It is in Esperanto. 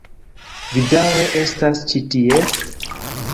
Vi daŭre estas ĉi tie?